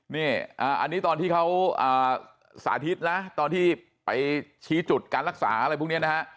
นี่อันนี้ตอนที่เขาสาธิตนะตอนที่ไปชี้จุดการรักษาอะไรพวกนี้นะฮะ